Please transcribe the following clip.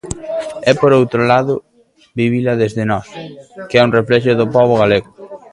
E por outro lado, vivila desde Nós, que é un reflexo do pobo galego.